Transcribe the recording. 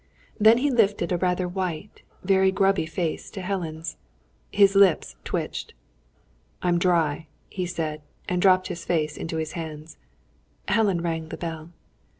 Then he lifted a rather white, very grubby face to Helen's. His lips twitched. "I'm dry," he said; and dropped his face into his hands. Helen rang the bell.